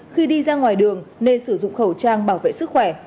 khi đi ra ngoài đường nên sử dụng khẩu trang bảo vệ sức khỏe